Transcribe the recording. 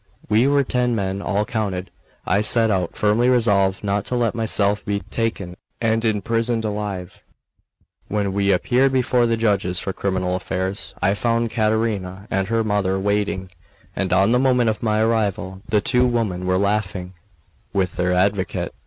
We were ten men, all counted. I set out, firmly resolved not to let myself be taken and imprisoned alive. When we appeared before the judges for criminal affairs, I found Caterina and her mother waiting; and on the moment of my arrival, the two women were laughing with their advocate.